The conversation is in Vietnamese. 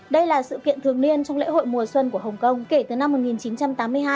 đây là sự kiện thường niên trong lễ hội mùa xuân của hồng kông kể từ năm một nghìn chín trăm tám mươi hai